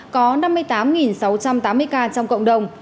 có năm mươi tám sáu trăm tám mươi ca trong cộng đồng